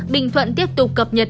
bình thuận tiếp tục cập nhật